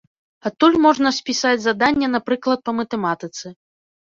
Адтуль можна спісаць заданне, напрыклад, па матэматыцы.